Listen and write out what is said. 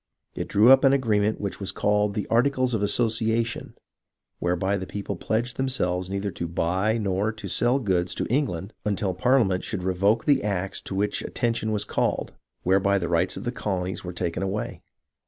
It drew up an agreement which THE RESORT TO ARMS 37 was called the Articles of Association, whereby the people pledged themselves neither to buy nor to sell goods to England until Parliament should revoke the acts to which attention was called, whereby the rights of the colonies were taken away.